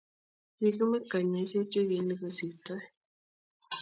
kikimut kanyoiset wikit ne kosirtoi